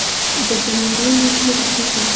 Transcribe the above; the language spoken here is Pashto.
د جنورۍ میاشتې راهیسې